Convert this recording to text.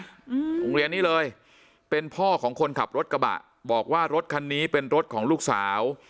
โรงเรียนนี้เลยเป็นพ่อของคนขับรถกระบะบอกว่ารถคันนี้เป็นรถของลูกสาว